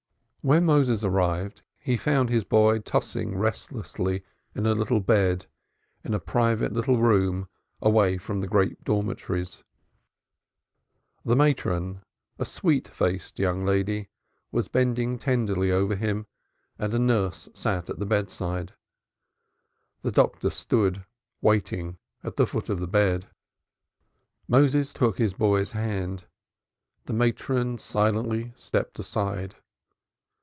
When Moses arrived he found his boy tossing restlessly in a little bed, in a private little room away from the great dormitories. "The matron" a sweet faced young lady was bending tenderly over him, and a nurse sat at the bedside. The doctor stood waiting at the foot of the bed. Moses took his boy's hand. The matron silently stepped aside.